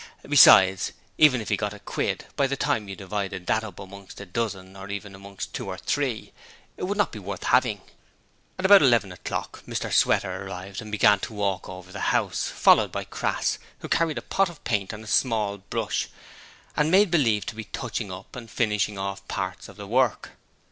Besides, even if he got a quid, by the time you divided that up amongst a dozen or even amongst two or three it would not be worth having. At about eleven o'clock Mr Sweater arrived and began to walk over the house, followed by Crass, who carried a pot of paint and a small brush and made believe to be 'touching up' and finishing off parts of the work.